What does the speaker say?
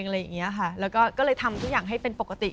เราก็ก็เลยทำทุกอย่างให้เป็นปกติ